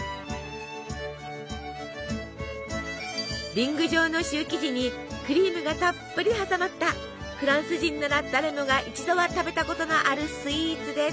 リング状のシュー生地にクリームがたっぷり挟まったフランス人なら誰もが一度は食べたことのあるスイーツです。